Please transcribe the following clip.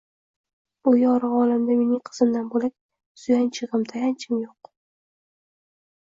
Bu yorug` olamda mening qizimdan bo`lak suyanchig`im, tayanchim yo`q